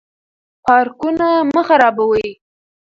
پارکونه مه خرابوئ.